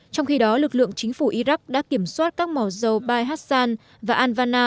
trong khi đó lực lượng chính phủ iraq đã kiểm soát các mỏ dầu bay hassan và al wana